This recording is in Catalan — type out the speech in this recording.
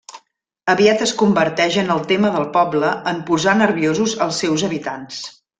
Aviat es converteix en el tema del poble en posar nerviosos els seus habitants.